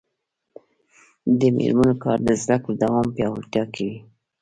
د میرمنو کار د زدکړو دوام پیاوړتیا کوي.